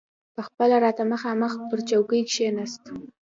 پخپله راته مخامخ پر چوکۍ کښېناست.